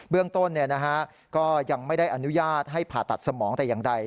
เรื่องต้นก็ยังไม่ได้อนุญาตให้ผ่าตัดสมองแต่อย่างใด